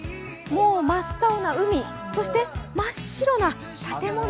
真っ青な海、そして真っ白な建物。